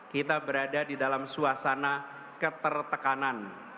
kita berada di dalam suasana ketertekanan